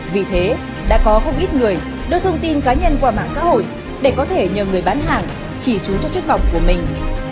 vì thế đã có không ít người đưa thông tin cá nhân qua mạng xã hội để có thể nhờ người bán hàng chỉ trú cho chiếc bọc của mình